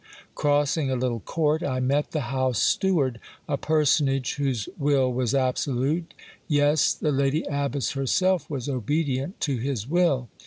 Crossing a little court, I met the house steward, a personage whose will was absolute ; yes, the lady abbess herself was obedient to his will.